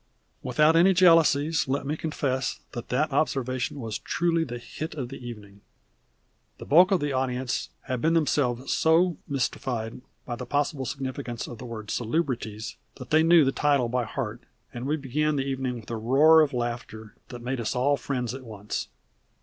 Without any jealousies let me confess that that observation was truly the hit of the evening. The bulk of the audience had been themselves so mystified by the possible significance of the word Salubrities that they knew the title by heart, and we began the evening with a roar of laughter that made us all friends at once.